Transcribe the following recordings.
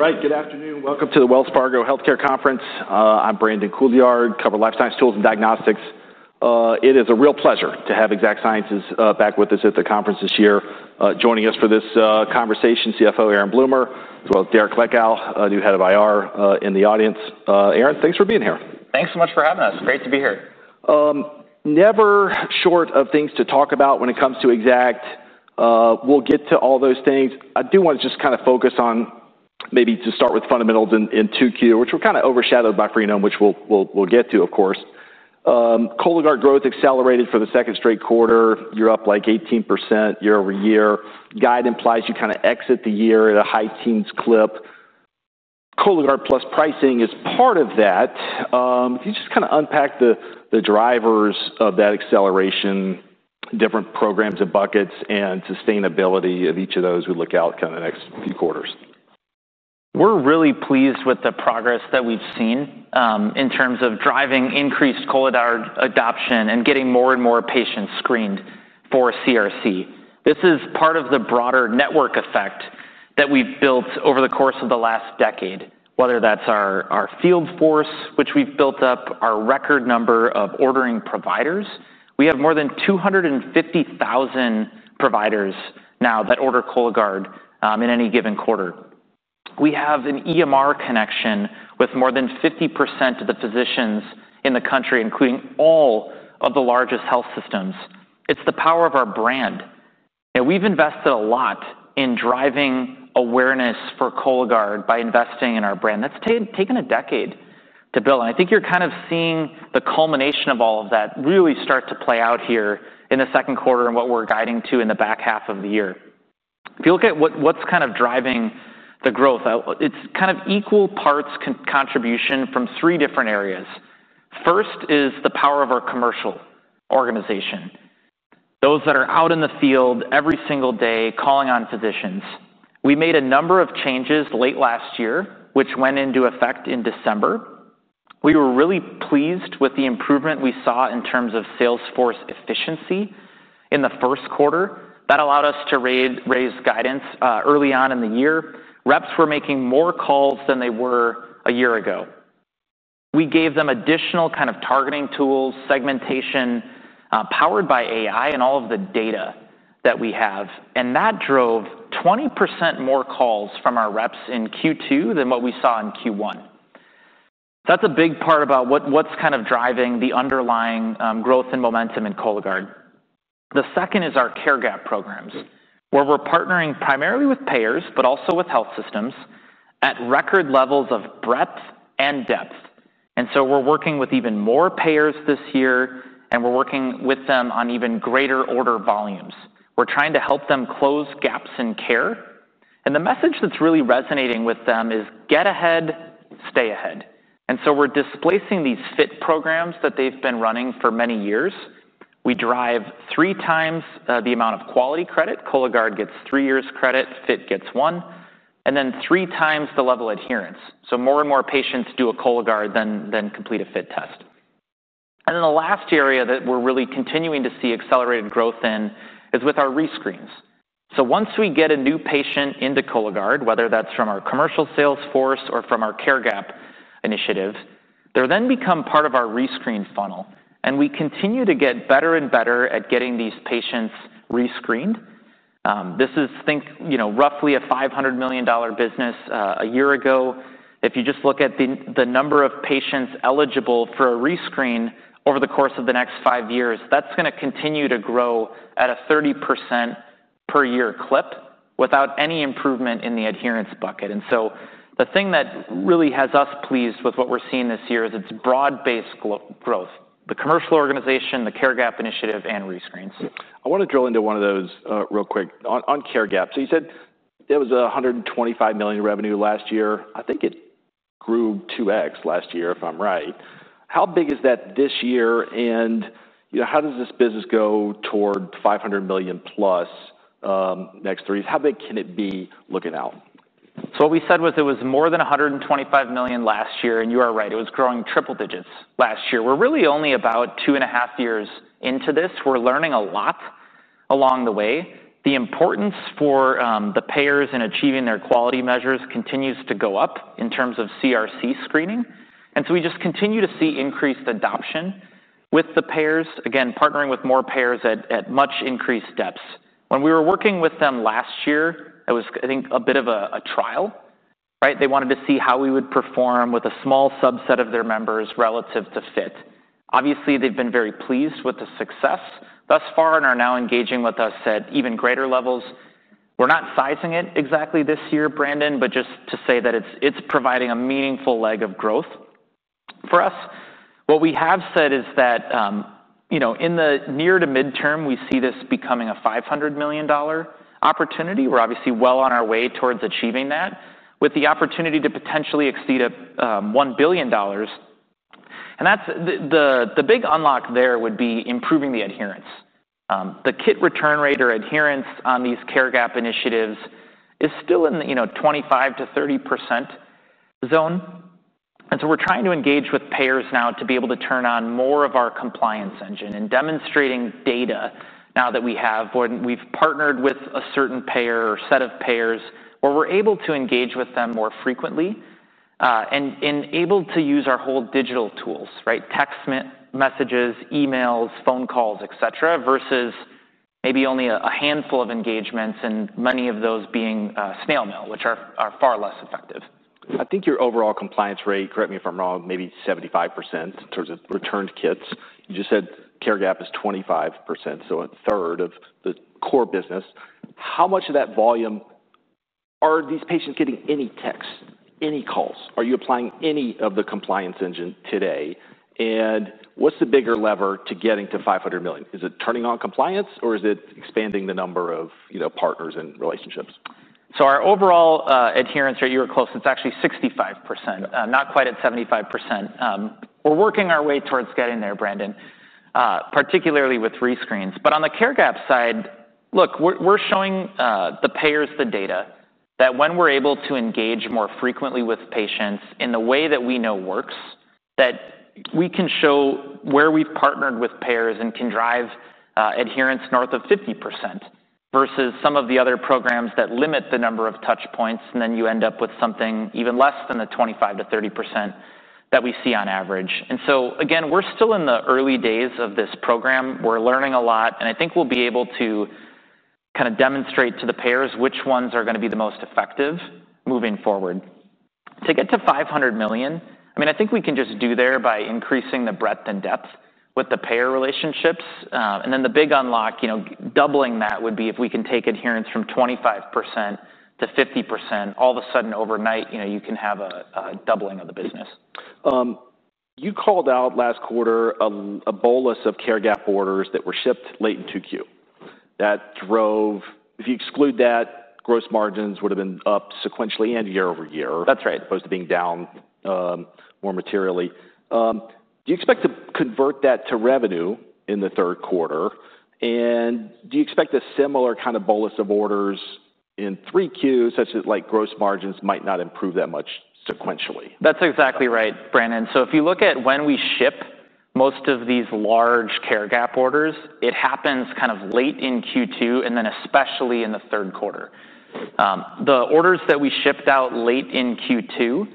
All right, good afternoon. Welcome to the Wells Fargo Healthcare Conference. I'm Brandon Couillard, I cover life science tools and diagnostics. It is a real pleasure to have Exact Sciences back with us at the conference this year. Joining us for this conversation, CFO Aaron Bloomer, as well as Derek Leckow, new Head of IR in the audience. Aaron, thanks for being here. Thanks so much for having us. Great to be here. Never short of things to talk about when it comes to Exact. We'll get to all those things. I do want to just kind of focus on maybe to start with fundamentals in 2Q, which were kind of overshadowed by Freenome, which we'll get to, of course. Cologuard growth accelerated for the second straight quarter. You're up like 18% year over year. Guide implies you kind of exit the year at a high teens clip. Cologuard Plus pricing is part of that. If you just kind of unpack the drivers of that acceleration, different programs and buckets and sustainability of each of those, we look out kind of the next few quarters? We're really pleased with the progress that we've seen in terms of driving increased Cologuard adoption and getting more and more patients screened for CRC. This is part of the broader network effect that we've built over the course of the last decade, whether that's our field force, which we've built up, our record number of ordering providers. We have more than 250,000 providers now that order Cologuard in any given quarter. We have an EMR connection with more than 50% of the physicians in the country, including all of the largest health systems. It's the power of our brand. We've invested a lot in driving awareness for Cologuard by investing in our brand. That's taken a decade to build. I think you're kind of seeing the culmination of all of that really start to play out here in the second quarter and what we're guiding to in the back half of the year. If you look at what's kind of driving the growth, it's kind of equal parts contribution from three different areas. First is the power of our commercial organization. Those that are out in the field every single day calling on physicians. We made a number of changes late last year, which went into effect in December. We were really pleased with the improvement we saw in terms of sales force efficiency in the first quarter. That allowed us to raise guidance early on in the year. Reps were making more calls than they were a year ago. We gave them additional kind of targeting tools, segmentation powered by AI and all of the data that we have. And that drove 20% more calls from our reps in Q2 than what we saw in Q1. That's a big part about what's kind of driving the underlying growth and momentum in Cologuard. The second is our care gap programs, where we're partnering primarily with payers, but also with health systems at record levels of breadth and depth. And so we're working with even more payers this year, and we're working with them on even greater order volumes. We're trying to help them close gaps in care. And the message that's really resonating with them is get ahead, stay ahead. And so we're displacing these FIT programs that they've been running for many years. We drive 3x the amount of quality credit. Cologuard gets three years credit, FIT gets one, and then 3x the level of adherence, so more and more patients do a Cologuard than complete a FIT test, and then the last area that we're really continuing to see accelerated growth in is with our rescreens, so once we get a new patient into Cologuard, whether that's from our commercial sales force or from our care gap initiative, they're then become part of our rescreen funnel, and we continue to get better and better at getting these patients rescreened. This is, think, roughly a $500 million business a year ago. If you just look at the number of patients eligible for a rescreen over the course of the next five years, that's going to continue to grow at a 30% per year clip without any improvement in the adherence bucket. And so the thing that really has us pleased with what we're seeing this year is it's broad-based growth, the commercial organization, the care gap initiative, and rescreens. I want to drill into one of those real quick on care gaps. So you said there was $125 million revenue last year. I think it grew 2x last year, if I'm right. How big is that this year? And how does this business go toward $500 million plus next three years? How big can it be looking out? What we said was it was more than $125 million last year. You are right, it was growing triple digits last year. We're really only about 2.5 years into this. We're learning a lot along the way. The importance for the payers in achieving their quality measures continues to go up in terms of CRC screening. We just continue to see increased adoption with the payers, again, partnering with more payers at much increased depths. When we were working with them last year, it was, I think, a bit of a trial. They wanted to see how we would perform with a small subset of their members relative to FIT. Obviously, they've been very pleased with the success thus far and are now engaging with us at even greater levels. We're not sizing it exactly this year, Brandon, but just to say that it's providing a meaningful leg of growth for us. What we have said is that in the near to midterm, we see this becoming a $500 million opportunity. We're obviously well on our way towards achieving that with the opportunity to potentially exceed $1 billion, and the big unlock there would be improving the adherence. The kit return rate or adherence on these care gap initiatives is still in the 25%-30% zone, and so we're trying to engage with payers now to be able to turn on more of our compliance engine and demonstrating data now that we have. We've partnered with a certain payer or set of payers where we're able to engage with them more frequently and able to use our whole digital tools, text messages, emails, phone calls, et cetera, versus maybe only a handful of engagements and many of those being snail mail, which are far less effective. I think your overall compliance rate, correct me if I'm wrong, maybe 75% in terms of returned kits. You just said care gap is 25%, so a third of the core business. How much of that volume are these patients getting any texts, any calls? Are you applying any of the compliance engine today? And what's the bigger lever to getting to $500 million? Is it turning on compliance, or is it expanding the number of partners and relationships? Our overall adherence rate year close, it's actually 65%, not quite at 75%. We're working our way towards getting there, Brandon, particularly with rescreens. But on the care gap side, look, we're showing the payers the data that when we're able to engage more frequently with patients in the way that we know works, that we can show where we've partnered with payers and can drive adherence north of 50% versus some of the other programs that limit the number of touch points. And then you end up with something even less than the 25%-30% that we see on average. And so again, we're still in the early days of this program. We're learning a lot. And I think we'll be able to kind of demonstrate to the payers which ones are going to be the most effective moving forward. To get to $500 million, I mean, I think we can just do there by increasing the breadth and depth with the payer relationships. And then the big unlock, doubling that would be if we can take adherence from 25% to 50%, all of a sudden overnight, you can have a doubling of the business. You called out last quarter a bolus of care gap orders that were shipped late in 2Q. If you exclude that, gross margins would have been up sequentially and year over year. That's right. As opposed to being down more materially. Do you expect to convert that to revenue in the third quarter? And do you expect a similar kind of bolus of orders in 3Q, such as like gross margins might not improve that much sequentially? That's exactly right, Brandon. So if you look at when we ship most of these large care gap orders, it happens kind of late in Q2 and then especially in the third quarter. The orders that we shipped out late in Q2,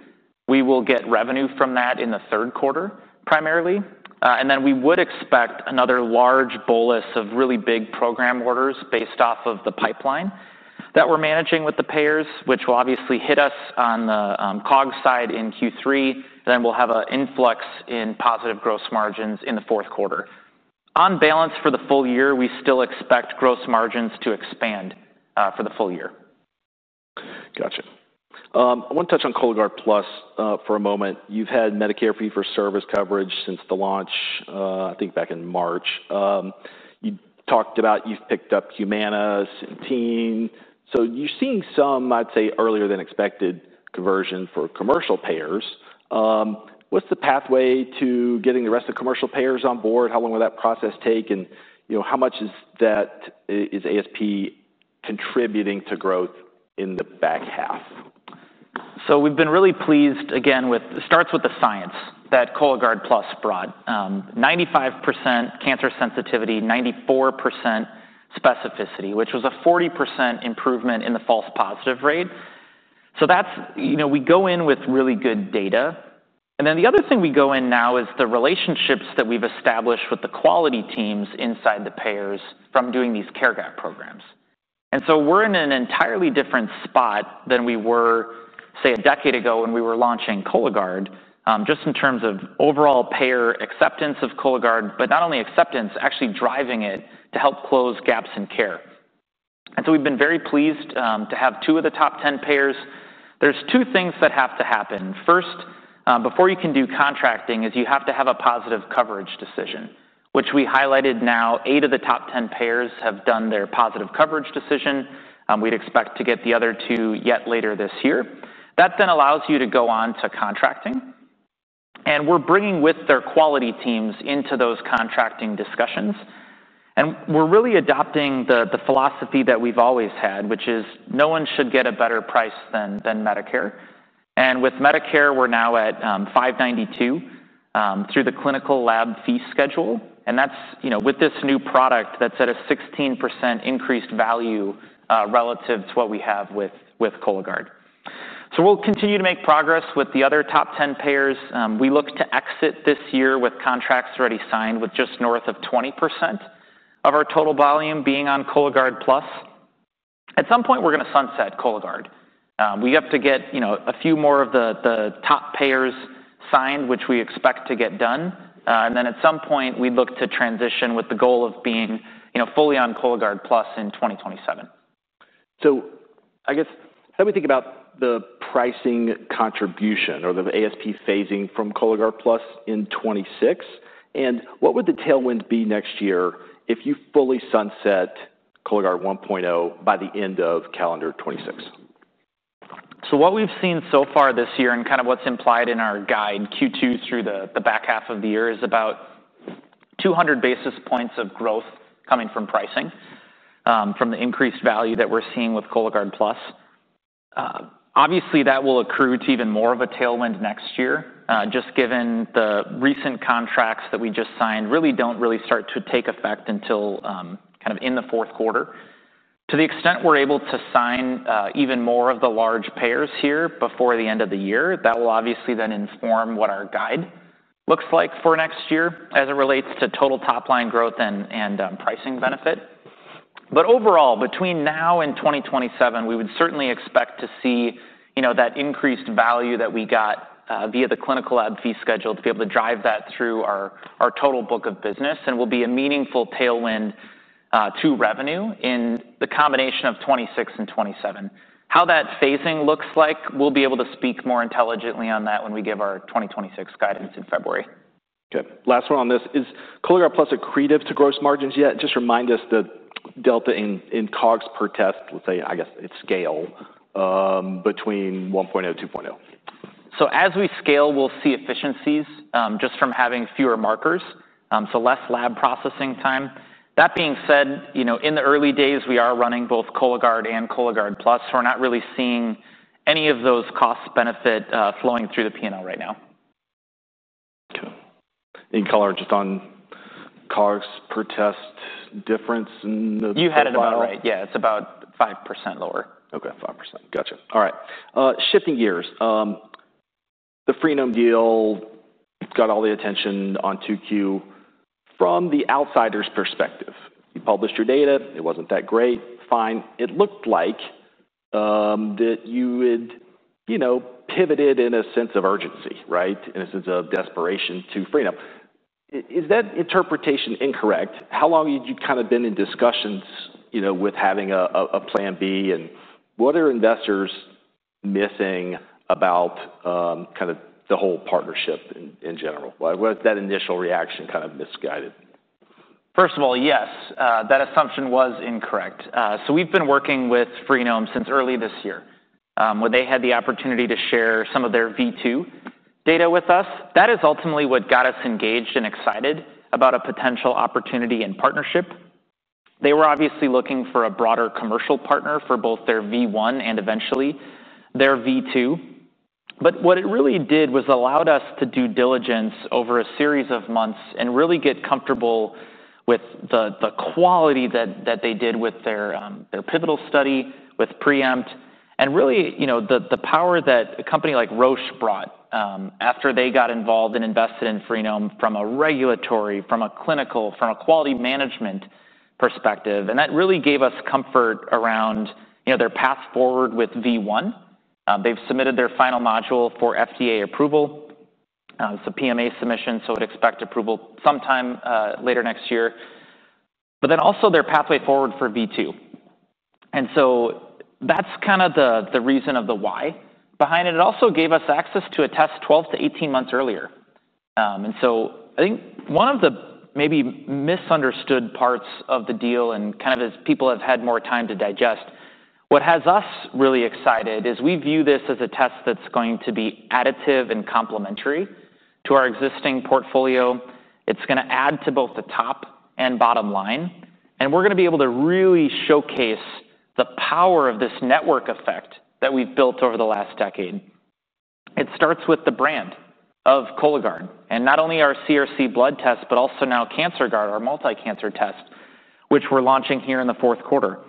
we will get revenue from that in the third quarter primarily. And then we would expect another large bolus of really big program orders based off of the pipeline that we're managing with the payers, which will obviously hit us on the COGS side in Q3. Then we'll have an influx in positive gross margins in the fourth quarter. On balance for the full year, we still expect gross margins to expand for the full year. Got it. I want to touch on Cologuard Plus for a moment. You've had Medicare Fee for Service coverage since the launch, I think back in March. You talked about you've picked up Humana's team. So you're seeing some, I'd say, earlier than expected conversion for commercial payers. What's the pathway to getting the rest of commercial payers on board? How long will that process take? And how much is that ASP contributing to growth in the back half? We've been really pleased again. It starts with the science that Cologuard Plus brought: 95% cancer sensitivity, 94% specificity, which was a 40% improvement in the false positive rate, so we go in with really good data, and then the other thing we go in now is the relationships that we've established with the quality teams inside the payers from doing these care gap programs, and so we're in an entirely different spot than we were, say, a decade ago when we were launching Cologuard, just in terms of overall payer acceptance of Cologuard, but not only acceptance, actually driving it to help close gaps in care, and so we've been very pleased to have two of the top 10 payers. There's two things that have to happen. First, before you can do contracting, you have to have a positive coverage decision, which we highlighted now. 8 of the top 10 payers have done their positive coverage decision. We'd expect to get the other two yet later this year. That then allows you to go on to contracting. And we're bringing with their quality teams into those contracting discussions. And we're really adopting the philosophy that we've always had, which is no one should get a better price than Medicare. And with Medicare, we're now at $592 through the Clinical Lab Fee Schedule. And that's with this new product that's at a 16% increased value relative to what we have with Cologuard. We'll continue to make progress with the other top 10 payers. We look to exit this year with contracts already signed, with just north of 20% of our total volume being on Cologuard Plus. At some point, we're going to sunset Cologuard. We have to get a few more of the top payers signed, which we expect to get done, and then at some point, we look to transition with the goal of being fully on Cologuard Plus in 2027. I guess, how do we think about the pricing contribution or the ASP phasing from Cologuard Plus in 2026? And what would the tailwinds be next year if you fully sunset Cologuard 1.0 by the end of calendar 2026? What we've seen so far this year and kind of what's implied in our guide Q2 through the back half of the year is about 200 basis points of growth coming from pricing from the increased value that we're seeing with Cologuard Plus. Obviously, that will accrue to even more of a tailwind next year, just given the recent contracts that we just signed really don't start to take effect until kind of in the fourth quarter. To the extent we're able to sign even more of the large payers here before the end of the year, that will obviously then inform what our guide looks like for next year as it relates to total top line growth and pricing benefit. But overall, between now and 2027, we would certainly expect to see that increased value that we got via the Clinical Lab Fee Schedule to be able to drive that through our total book of business. And it will be a meaningful tailwind to revenue in the combination of 2026 and 2027. How that phasing looks like, we'll be able to speak more intelligently on that when we give our 2026 guidance in February. Okay. Last one on this is Cologuard Plus accretive to gross margins yet? Just remind us the delta in COGS per test, let's say, I guess it's scale between 1.0 and 2.0. As we scale, we'll see efficiencies just from having fewer markers, so less lab processing time. That being said, in the early days, we are running both Cologuard and Cologuard Plus. We're not really seeing any of those cost benefit flowing through the P&L right now. Okay. And you can call it just on COGS per test difference. You had it about right. Yeah, it's about 5% lower. Okay, 5%. Got it. All right. Shifting gears. The Freenome deal got all the attention on 2Q. From the outsider's perspective, you published your data. It wasn't that great. Fine. It looked like that you had pivoted in a sense of urgency, right, in a sense of desperation to Freenome. Is that interpretation incorrect? How long had you kind of been in discussions with having a plan B? And what are investors missing about kind of the whole partnership in general? What was that initial reaction kind of misguided? First of all, yes, that assumption was incorrect. We've been working with Freenome since early this year when they had the opportunity to share some of their V2 data with us. That is ultimately what got us engaged and excited about a potential opportunity and partnership. They were obviously looking for a broader commercial partner for both their V1 and eventually their V2. But what it really did was allowed us to do diligence over a series of months and really get comfortable with the quality that they did with their pivotal study with PREEMPT and really the power that a company like Roche brought after they got involved and invested in Freenome from a regulatory, from a clinical, from a quality management perspective. And that really gave us comfort around their path forward with V1. They've submitted their final module for FDA approval. It's a PMA submission, so we'd expect approval sometime later next year. But then also their pathway forward for V2. And so that's kind of the reason of the why behind it. It also gave us access to a test 12 to 18 months earlier. And so I think one of the maybe misunderstood parts of the deal and kind of as people have had more time to digest, what has us really excited is we view this as a test that's going to be additive and complementary to our existing portfolio. It's going to add to both the top and bottom line. And we're going to be able to really showcase the power of this network effect that we've built over the last decade. It starts with the brand of Cologuard and not only our CRC blood test, but also now Cancerguard, our multi-cancer test, which we're launching here in the fourth quarter.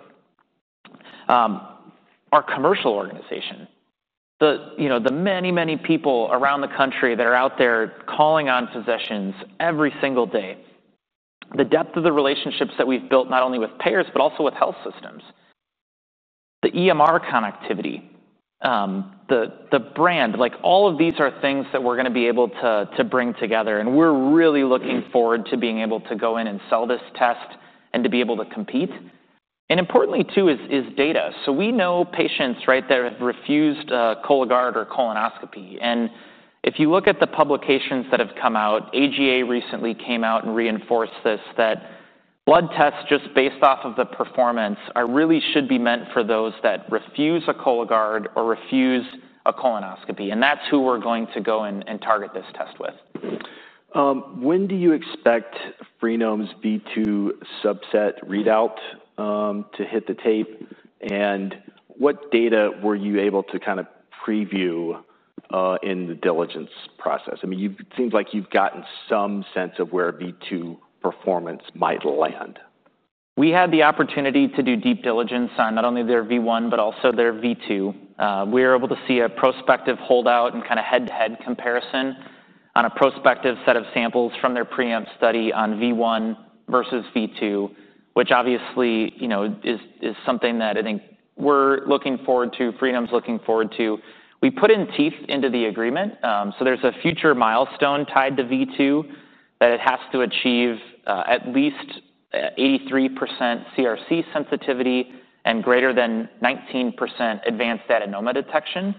Our commercial organization, the many, many people around the country that are out there calling on physicians every single day, the depth of the relationships that we've built not only with payers, but also with health systems, the EMR connectivity, the brand, like all of these are things that we're going to be able to bring together. And we're really looking forward to being able to go in and sell this test and to be able to compete. And importantly, too, is data. So we know patients that have refused Cologuard or colonoscopy. And if you look at the publications that have come out, AGA recently came out and reinforced this, that blood tests just based off of the performance really should be meant for those that refuse a Cologuard or refused a colonoscopy. And that's who we're going to go and target this test with. When do you expect Freenome's V2 subset readout to hit the tape? And what data were you able to kind of preview in the diligence process? I mean, it seems like you've gotten some sense of where V2 performance might land. We had the opportunity to do deep diligence on not only their V1, but also their V2. We were able to see a prospective holdout and kind of head-to-head comparison on a prospective set of samples from their PREEMPT study on V1 versus V2, which obviously is something that I think we're looking forward to, Freenome's looking forward to. We put in teeth into the agreement. So there's a future milestone tied to V2 that it has to achieve at least 83% CRC sensitivity and greater than 19% advanced adenoma detection,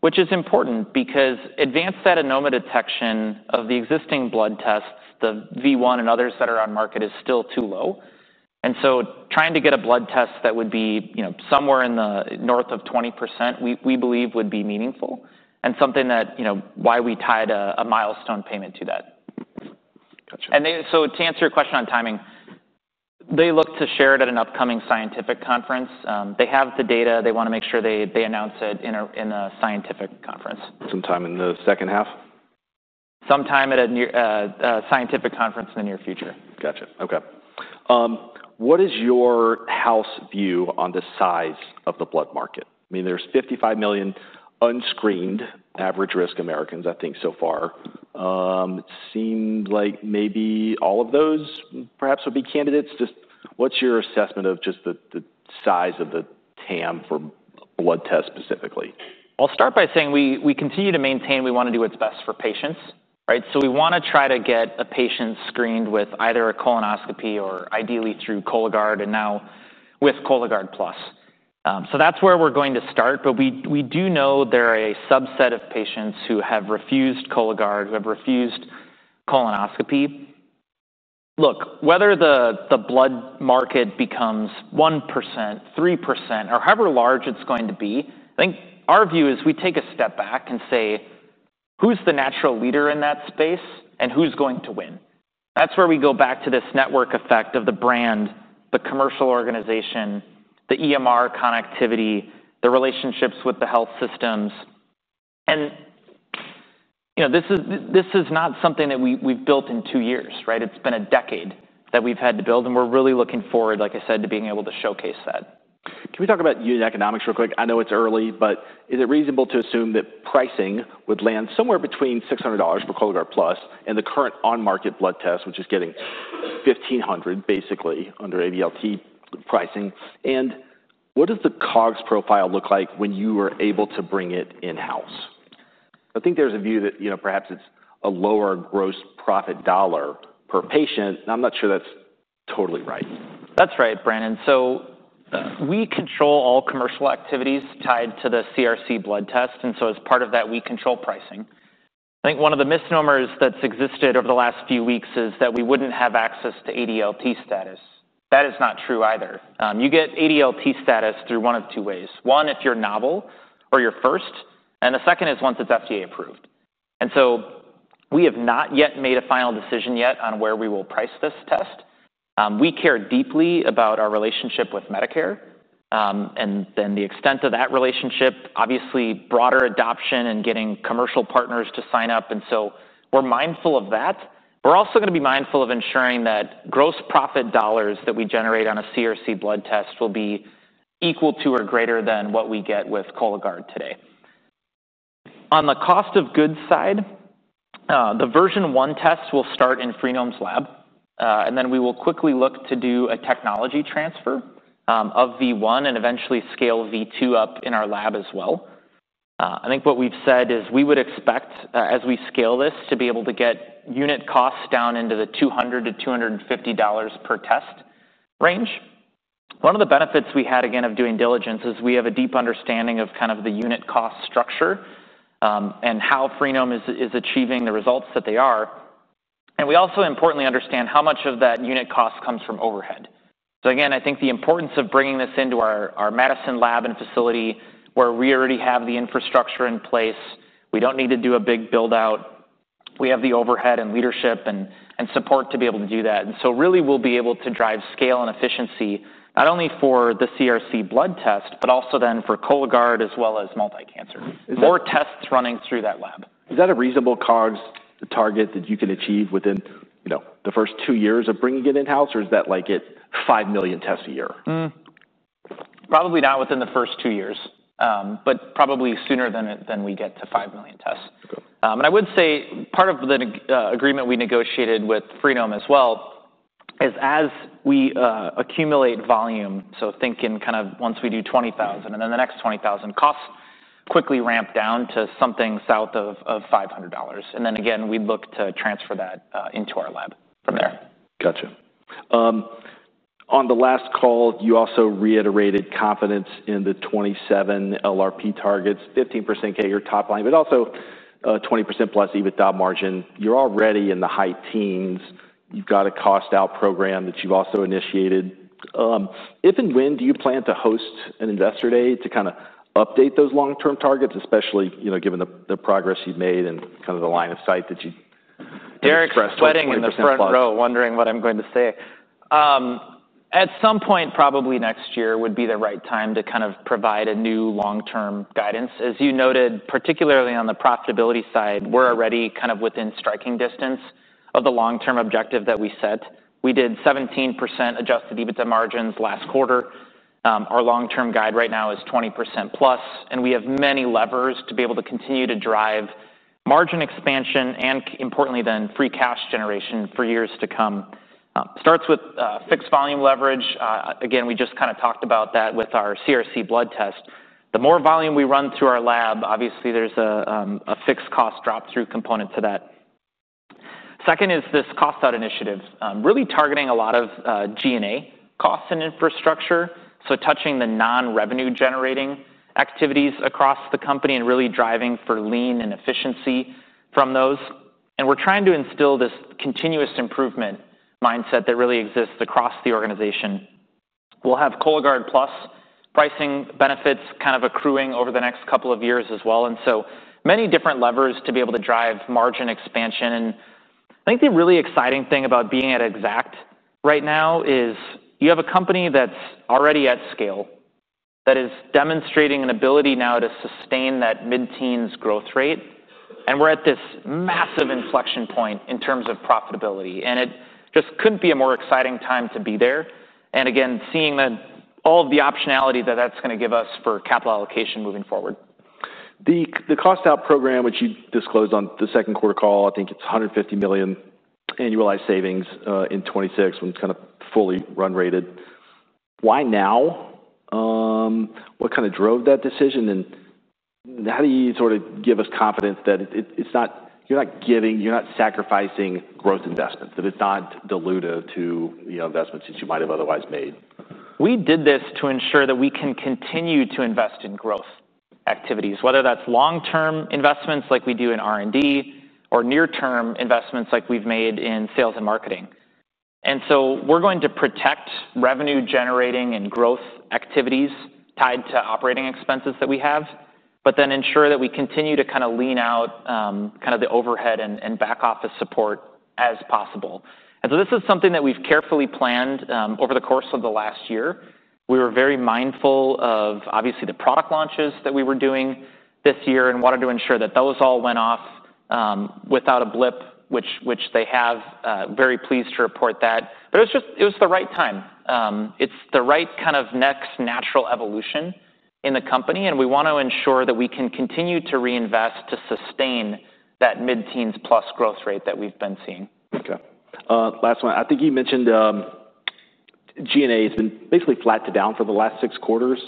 which is important because advanced adenoma detection of the existing blood tests, the V1 and others that are on market, is still too low. And so trying to get a blood test that would be somewhere in the north of 20%, we believe, would be meaningful and something that why we tied a milestone payment to that. Got it. To answer your question on timing, they look to share it at an upcoming scientific conference. They have the data. They want to make sure they announce it in a scientific conference. Sometime in the second half? Sometime at a scientific conference in the near future. Got it. Okay. What is your house view on the size of the blood market? I mean, there's 55 million unscreened average risk Americans, I think, so far. It seems like maybe all of those perhaps would be candidates. Just what's your assessment of just the size of the TAM for blood tests specifically? I'll start by saying we continue to maintain we want to do what's best for patients, right? So we want to try to get a patient screened with either a colonoscopy or ideally through Cologuard and now with Cologuard Plus. So that's where we're going to start. But we do know there are a subset of patients who have refused Cologuard, who have refused colonoscopy. Look, whether the blood market becomes 1%, 3%, or however large it's going to be, I think our view is we take a step back and say, who's the natural leader in that space and who's going to win? That's where we go back to this network effect of the brand, the commercial organization, the EMR connectivity, the relationships with the health systems. And this is not something that we've built in two years, right? It's been a decade that we've had to build. We're really looking forward, like I said, to being able to showcase that. Can we talk about unit economics real quick? I know it's early, but is it reasonable to assume that pricing would land somewhere between $600 for Cologuard Plus and the current on-market blood test, which is getting $1,500 basically under ADLT pricing? And what does the COGS profile look like when you are able to bring it in-house? I think there's a view that perhaps it's a lower gross profit dollar per patient. I'm not sure that's totally right. That's right, Brandon. We control all commercial activities tied to the CRC blood test. And so as part of that, we control pricing. I think one of the misnomers that's existed over the last few weeks is that we wouldn't have access to ADLT status. That is not true either. You get ADLT status through one of two ways. One, if you're novel or you're first. And the second is once it's FDA approved. And so we have not yet made a final decision yet on where we will price this test. We care deeply about our relationship with Medicare and then the extent of that relationship, obviously broader adoption and getting commercial partners to sign up. And so we're mindful of that. We're also going to be mindful of ensuring that gross profit dollars that we generate on a CRC blood test will be equal to or greater than what we get with Cologuard today. On the cost of goods side, the version one test will start in Freenome's lab. And then we will quickly look to do a technology transfer of V1 and eventually scale V2 up in our lab as well. I think what we've said is we would expect, as we scale this, to be able to get unit costs down into the $200-$250 per test range. One of the benefits we had, again, of doing diligence is we have a deep understanding of kind of the unit cost structure and how Freenome is achieving the results that they are. And we also importantly understand how much of that unit cost comes from overhead. So again, I think the importance of bringing this into our Madison lab and facility where we already have the infrastructure in place. We don't need to do a big buildout. We have the overhead and leadership and support to be able to do that. And so really, we'll be able to drive scale and efficiency not only for the CRC blood test, but also then for Cologuard as well as multi-cancer or tests running through that lab. Is that a reasonable COGS target that you can achieve within the first two years of bringing it in-house, or is that like at 5 million tests a year? Probably not within the first two years, but probably sooner than we get to 5 million tests. And I would say part of the agreement we negotiated with Freenome as well is as we accumulate volume, so think in kind of once we do 20,000 and then the next 20,000, costs quickly ramp down to something south of $500. And then again, we'd look to transfer that into our lab from there. Got it. On the last call, you also reiterated confidence in the 2027 LRP targets, 15% CAGR your top line, but also +20% EBITDA margin. You're already in the high teens. You've got a cost-out program that you've also initiated. If and when do you plan to host an investor day to kind of update those long-term targets, especially given the progress you've made and kind of the line of sight that you expressed? Derek's sweating in the front row wondering what I'm going to say. At some point, probably next year would be the right time to kind of provide a new long-term guidance. As you noted, particularly on the profitability side, we're already kind of within striking distance of the long-term objective that we set. We did 17% adjusted EBITDA margins last quarter. Our long-term guide right now is +20%. And we have many levers to be able to continue to drive margin expansion and, importantly, then free cash generation for years to come. Starts with fixed volume leverage. Again, we just kind of talked about that with our CRC blood test. The more volume we run through our lab, obviously there's a fixed cost drop-through component to that. Second is this cost-out initiative, really targeting a lot of G&A costs and infrastructure. So touching the non-revenue generating activities across the company and really driving for lean and efficiency from those. And we're trying to instill this continuous improvement mindset that really exists across the organization. We'll have Cologuard Plus pricing benefits kind of accruing over the next couple of years as well. And so many different levers to be able to drive margin expansion. And I think the really exciting thing about being at Exact right now is you have a company that's already at scale that is demonstrating an ability now to sustain that mid-teens growth rate. And we're at this massive inflection point in terms of profitability. And it just couldn't be a more exciting time to be there. And again, seeing all of the optionality that that's going to give us for capital allocation moving forward. The cost-out program, which you disclosed on the second quarter call, I think it's $150 million annualized savings in 2026 when it's kind of fully run rated. Why now? What kind of drove that decision? And how do you sort of give us confidence that you're not giving, you're not sacrificing growth investments, that it's not diluted to investments that you might have otherwise made? We did this to ensure that we can continue to invest in growth activities, whether that's long-term investments like we do in R&D or near-term investments like we've made in sales and marketing. And so we're going to protect revenue-generating and growth activities tied to operating expenses that we have, but then ensure that we continue to kind of lean out kind of the overhead and back office support as possible. And so this is something that we've carefully planned over the course of the last year. We were very mindful of, obviously, the product launches that we were doing this year and wanted to ensure that those all went off without a blip, which they have. Very pleased to report that. But it was the right time. It's the right kind of next natural evolution in the company. We want to ensure that we can continue to reinvest to sustain that mid-teens plus growth rate that we've been seeing. Okay. Last one. I think you mentioned G&A has been basically flat to down for the last six quarters.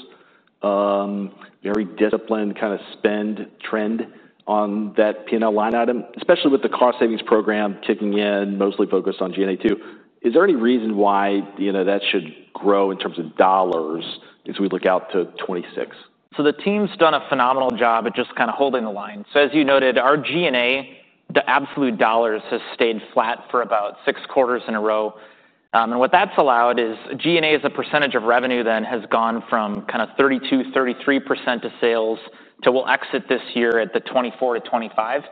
Very disciplined kind of spend trend on that P&L line item, especially with the cost savings program kicking in, mostly focused on G&A too. Is there any reason why that should grow in terms of dollars as we look out to 2026? The team's done a phenomenal job at just kind of holding the line. So as you noted, our G&A, the absolute dollars has stayed flat for about six quarters in a row. And what that's allowed is G&A's percentage of revenue then has gone from kind of 32%-33% of sales to we'll exit this year at the 24%-25%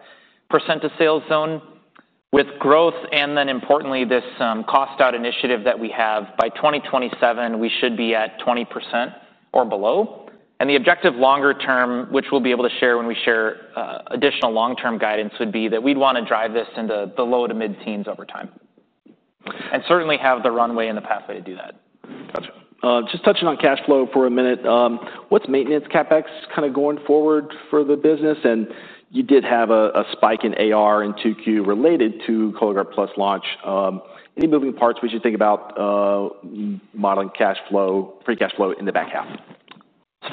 of sales zone with growth. And then importantly, this cost-out initiative that we have by 2027, we should be at 20% or below. And the objective longer term, which we'll be able to share when we share additional long-term guidance, would be that we'd want to drive this into the low- to mid-teens over time and certainly have the runway and the pathway to do that. Got it. Just touching on cash flow for a minute. What's maintenance CapEx kind of going forward for the business? And you did have a spike in AR and 2Q related to Cologuard Plus launch. Any moving parts we should think about modeling cash flow, free cash flow in the back half?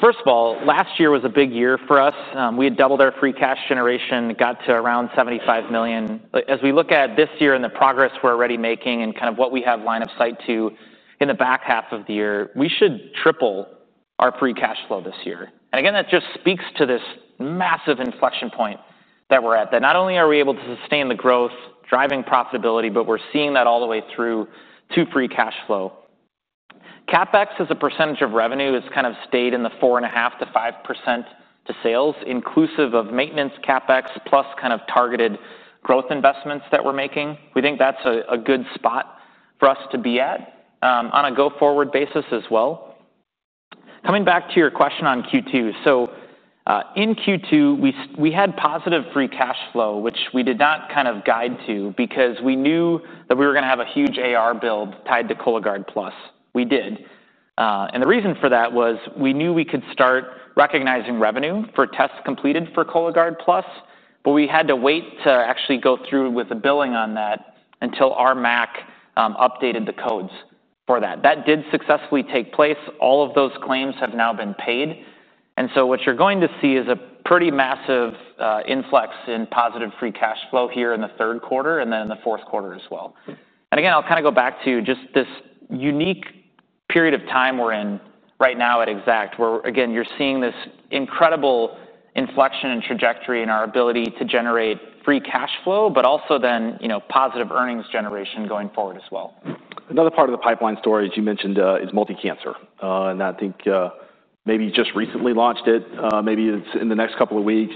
First of all, last year was a big year for us. We had doubled our free cash generation, got to around $75 million. As we look at this year and the progress we're already making and kind of what we have line of sight to in the back half of the year, we should triple our free cash flow this year. And again, that just speaks to this massive inflection point that we're at, that not only are we able to sustain the growth driving profitability, but we're seeing that all the way through to free cash flow. CapEx as a percentage of revenue has kind of stayed in the 4.5%-5% of sales, inclusive of maintenance CapEx plus kind of targeted growth investments that we're making. We think that's a good spot for us to be at on a go-forward basis as well. Coming back to your question on Q2, so in Q2, we had positive free cash flow, which we did not kind of guide to because we knew that we were going to have a huge AR build tied to Cologuard Plus. We did, and the reason for that was we knew we could start recognizing revenue for tests completed for Cologuard Plus, but we had to wait to actually go through with the billing on that until our MAC updated the codes for that. That did successfully take place. All of those claims have now been paid, and so what you're going to see is a pretty massive influx in positive free cash flow here in the third quarter and then in the fourth quarter as well. Again, I'll kind of go back to just this unique period of time we're in right now at Exact, where again, you're seeing this incredible inflection and trajectory in our ability to generate free cash flow, but also then positive earnings generation going forward as well. Another part of the pipeline storage you mentioned is multi-cancer, and I think maybe just recently launched it, maybe it's in the next couple of weeks.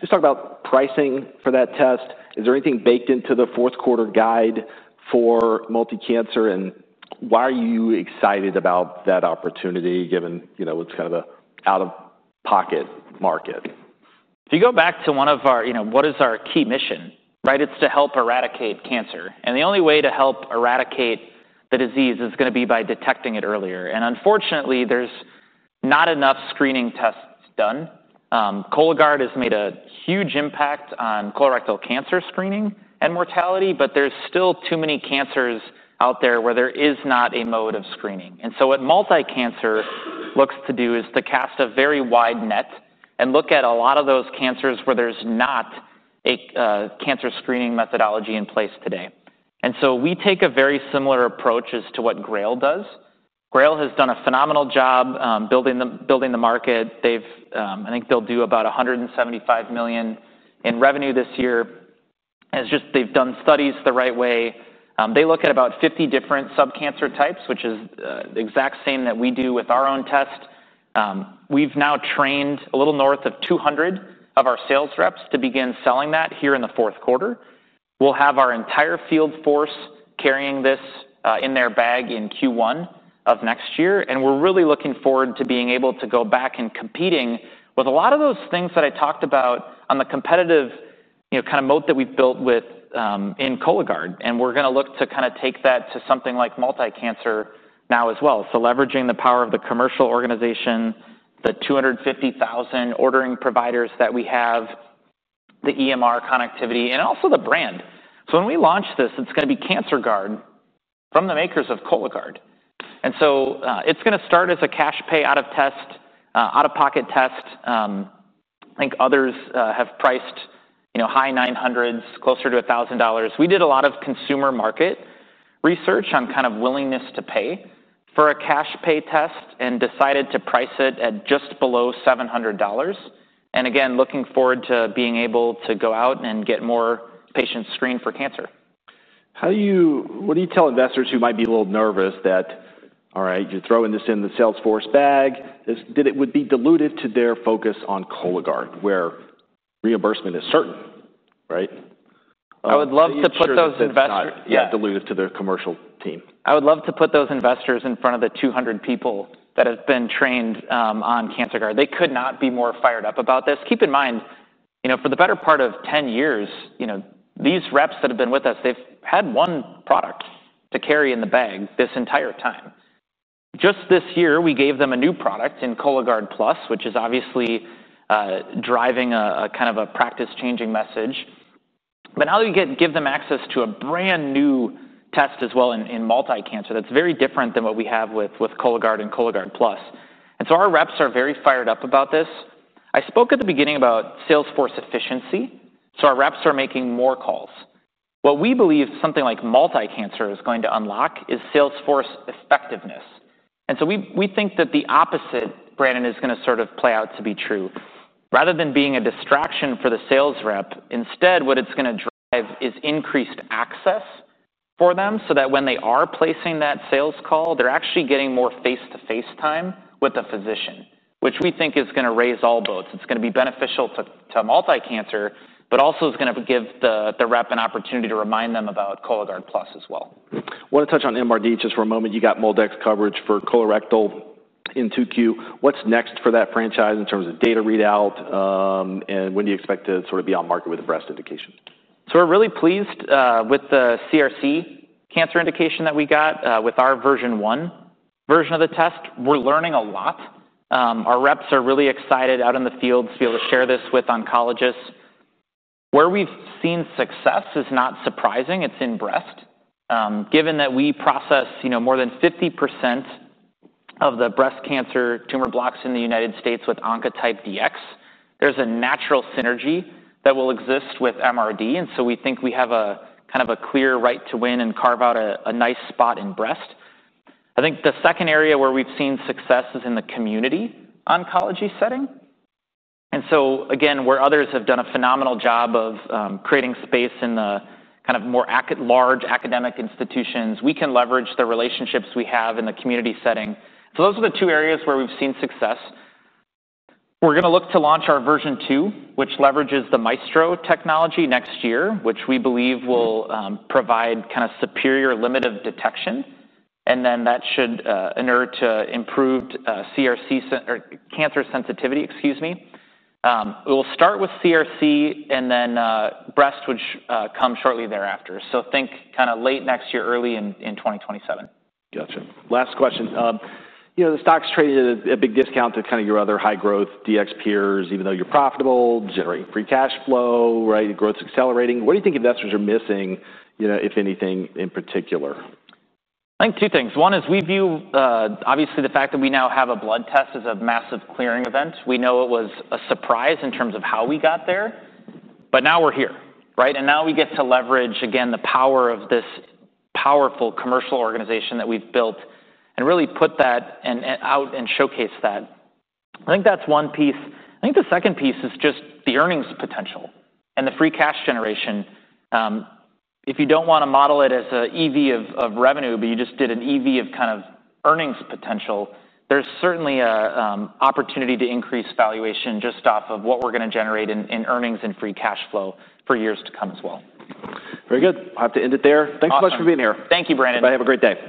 Just talk about pricing for that test. Is there anything baked into the fourth quarter guide for multi-cancer, and why are you excited about that opportunity given it's kind of an out-of-pocket market? If you go back to one of our, what is our key mission, right? It's to help eradicate cancer, and the only way to help eradicate the disease is going to be by detecting it earlier. And unfortunately, there's not enough screening tests done. Cologuard has made a huge impact on colorectal cancer screening and mortality, but there's still too many cancers out there where there is not a mode of screening. And so what multi-cancer looks to do is to cast a very wide net and look at a lot of those cancers where there's not a cancer screening methodology in place today. And so we take a very similar approach as to what GRAIL does. GRAIL has done a phenomenal job building the market. I think they'll do about $175 million in revenue this year. It's just they've done studies the right way. They look at about 50 different sub-cancer types, which is the exact same that we do with our own test. We've now trained a little north of 200 of our sales reps to begin selling that here in the fourth quarter. We'll have our entire field force carrying this in their bag in Q1 of next year, and we're really looking forward to being able to go back and competing with a lot of those things that I talked about on the competitive kind of moat that we've built within Cologuard, and we're going to look to kind of take that to something like multi-cancer now as well. So leveraging the power of the commercial organization, the 250,000 ordering providers that we have, the EMR connectivity, and also the brand, so when we launch this, it's going to be Cancerguard from the makers of Cologuard. And so it's going to start as a cash-pay out-of-pocket test. I think others have priced high $900s, closer to $1,000. We did a lot of consumer market research on kind of willingness to pay for a cash-pay test and decided to price it at just below $700. And again, looking forward to being able to go out and get more patients screened for cancer. What do you tell investors who might be a little nervous that, all right, you're throwing this in the sales force bag, it would be diluted to their focus on Cologuard where reimbursement is certain, right? I would love to put those investors-- Yeah, diluted to their commercial team. I would love to put those investors in front of the 200 people that have been trained on Cancerguard. They could not be more fired up about this. Keep in mind, for the better part of 10 years, these reps that have been with us, they've had one product to carry in the bag this entire time. Just this year, we gave them a new product in Cologuard Plus, which is obviously driving a kind of a practice-changing message. But now they give them access to a brand new test as well in multi-cancer. That's very different than what we have with Cologuard and Cologuard Plus. And so our reps are very fired up about this. I spoke at the beginning about sales force efficiency. So our reps are making more calls. What we believe something like multi-cancer is going to unlock is sales force effectiveness. We think that the opposite, Brandon, is going to sort of play out to be true. Rather than being a distraction for the sales rep, instead, what it's going to drive is increased access for them so that when they are placing that sales call, they're actually getting more face-to-face time with the physician, which we think is going to raise all boats. It's going to be beneficial to multi-cancer, but also is going to give the rep an opportunity to remind them about Cologuard Plus as well. Want to touch on MRD just for a moment. You got MolDX coverage for colorectal in 2Q. What's next for that franchise in terms of data readout? And when do you expect to sort of be on market with the breast indication? We're really pleased with the CRC cancer indication that we got with our Version One, version of the test. We're learning a lot. Our reps are really excited out in the fields to be able to share this with oncologists. Where we've seen success is not surprising. It's in breast. Given that we process more than 50% of the breast cancer tumor blocks in the United States with Oncotype DX, there's a natural synergy that will exist with MRD. And so we think we have a kind of a clear right to win and carve out a nice spot in breast. I think the second area where we've seen success is in the community oncology setting. And so again, where others have done a phenomenal job of creating space in the kind of more large academic institutions, we can leverage the relationships we have in the community setting. Those are the two areas where we've seen success. We're going to look to launch our Version Two, which leverages the MAESTRO technology next year, which we believe will provide kind of superior lesion detection. And then that should, in order to improve CRC cancer sensitivity, excuse me. We will start with CRC and then breast, which comes shortly thereafter. Think kind of late next year, early in 2027. Got it. Last question. The stock's traded at a big discount to kind of your other high growth DX peers, even though you're profitable, generating free cash flow, right? Growth's accelerating. What do you think investors are missing, if anything in particular? I think two things. One is we view, obviously, the fact that we now have a blood test as a massive clearing event. We know it was a surprise in terms of how we got there, but now we're here, right? And now we get to leverage, again, the power of this powerful commercial organization that we've built and really put that out and showcase that. I think that's one piece. I think the second piece is just the earnings potential and the free cash generation. If you don't want to model it as an EV of revenue, but you just did an EV of kind of earnings potential, there's certainly an opportunity to increase valuation just off of what we're going to generate in earnings and free cash flow for years to come as well. Very good. I'll have to end it there. Thanks so much for being here. Thank you, Brandon. Have a great day.